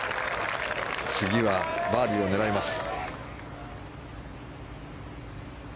次はバーディーを狙えます。